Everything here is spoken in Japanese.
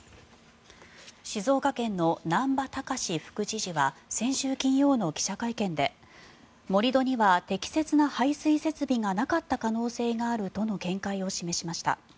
静岡県の難波喬司副知事は先週金曜の記者会見で盛り土には適切な排水設備がなかった可能性があるとの見解を示しました。